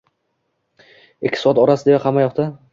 Ikki soat orasidayoq hammayoqda.